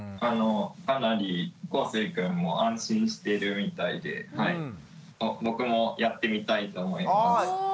かなりこうせいくんも安心してるみたいで僕もやってみたいと思います。